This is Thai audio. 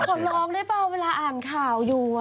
ขอร้องได้เปล่าเวลาอ่านข่าวอยู่